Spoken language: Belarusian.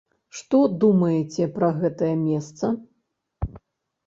Што думаеце пра гэтае месца?